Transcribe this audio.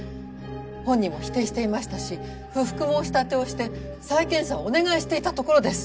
本人も否定していましたし不服申立てをして再検査をお願いしていたところです！